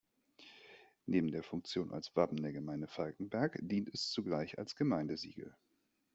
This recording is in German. Neben der Funktion als Wappen der Gemeinde Falkenberg dient es zugleich als Gemeindesiegel.